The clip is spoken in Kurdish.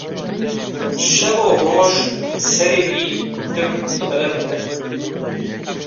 Şev û roj serê wî tim bilinde